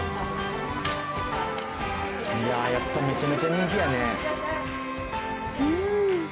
いややっぱめちゃめちゃ人気やね。